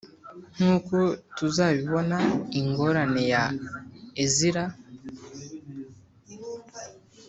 nkuko tuzabibona ingorane ya ezira